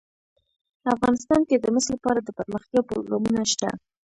افغانستان کې د مس لپاره دپرمختیا پروګرامونه شته.